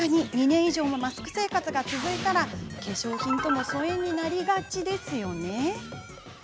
２年以上もマスク生活が続いたら化粧品とも疎遠になりがちですよね。